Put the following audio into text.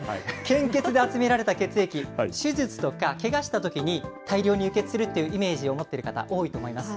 献血で集められた血液、手術とかけがしたときに大量に輸血するというイメージを持っている方、多いと思います。